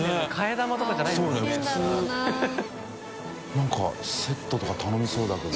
修Δ茲普通何かセットとか頼みそうだけど。